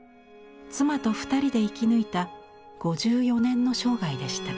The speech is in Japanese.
妻と２人で生き抜いた５４年の生涯でした。